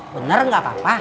bener gak apa apa